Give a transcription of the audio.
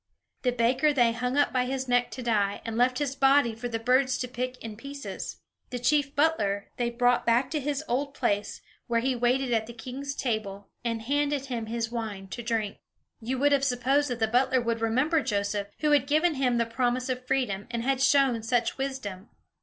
The baker they hung up by his neck to die, and left his body for the birds to pick in pieces. The chief butler they brought back to his old place, where he waited at the king's table, and handed him his wine to drink. You would have supposed that the butler would remember Joseph, who had given him the promise of freedom, and had shown such wisdom.